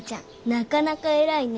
なかなか偉いね。